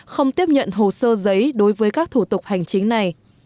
không tiếp nhận hồ sơ giấy đối với các thủ tục hành chính này